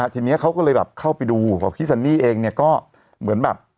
ทีนี้เขาก็เลยแบบเข้าไปดูบอกพี่ซันนี่เองเนี่ยก็เหมือนแบบ